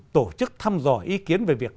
tổ chức thăm dò ý kiến về việc